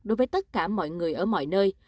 đối với tất cả mọi người ở mọi nơi